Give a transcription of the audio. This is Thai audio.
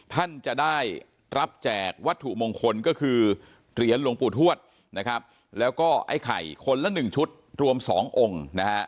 ท่านจะได้รับแจกวัตถุมงคลก็คือเหรียญหลวงปู่ทวดนะครับแล้วก็ไอ้ไข่คนละ๑ชุดรวม๒องค์นะฮะ